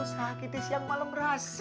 usaha kitis yang malem berhasil